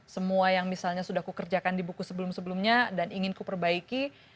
semua yang misalnya sudah kukerjakan di buku sebelum sebelumnya dan ingin kuperbaiki